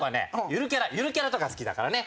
ゆるキャラゆるキャラとか好きだからね。